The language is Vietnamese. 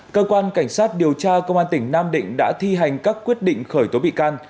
cơ quan cảnh sát điều tra công an tỉnh nam định đã thi hành các quyết định khởi tố bị can